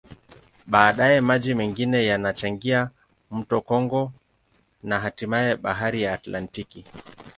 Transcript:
Baadaye, maji mengine yanachangia mto Kongo na hatimaye Bahari ya Atlantiki.